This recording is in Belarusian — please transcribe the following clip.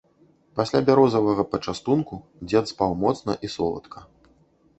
Пасля бярозавага пачастунку дзед спаў моцна і соладка.